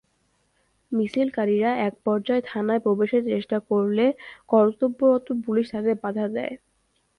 মিছিলকারীরা একপর্যায়ে থানায় প্রবেশের চেষ্টা করলে কর্তব্যরত পুলিশ তাঁদের বাধা দেয়।